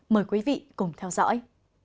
mời quý vị cùng theo dõi